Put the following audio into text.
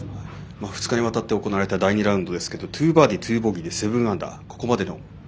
２日にわたって行われた第２ラウンドですけど２バーディー、２ボギーで７アンダー。